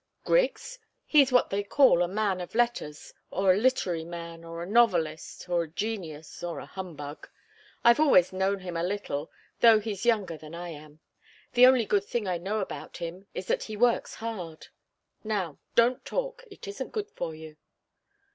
"Griggs? He's what they call a man of letters, or a literary man, or a novelist, or a genius, or a humbug. I've always known him a little, though he's younger than I am. The only good thing I know about him is that he works hard. Now don't talk. It isn't good for you."